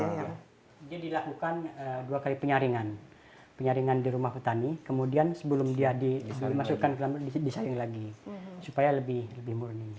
dia dilakukan dua kali penyaringan penyaringan di rumah petani kemudian sebelum dia dimasukkan ke disaring lagi supaya lebih murni